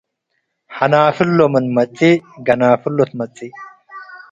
. ሐናፍሎ ምን ትመጽእ ገናፍሎ ትመጽእ፣